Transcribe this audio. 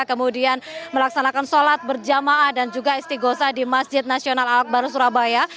kemudian melaksanakan sholat berjamaah dan juga istiqosa di masjid nasional alakbar surabaya